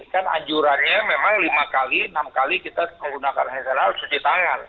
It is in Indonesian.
kan anjurannya memang lima kali enam kali kita menggunakan hand sani harus cuci tangan